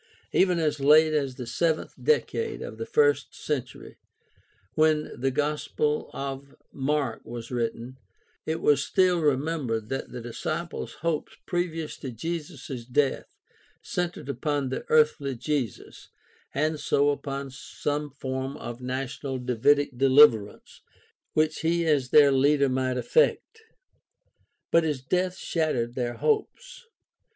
Even as late as the seventh decade of the first century, when the Gospel of Mark was written, it was still remembered that the disciples' THE STUDY OF EARLY CHRISTIANITY 273 hopes previous to Jesus' death centered upon the earthly Jesus, and so upon some form of national Davidic deliverance which he as their leader might effect. But his death shattered their hopes.